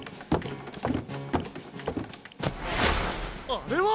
あれは！